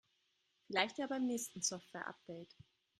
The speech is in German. Vielleicht ja beim nächsten Softwareupdate.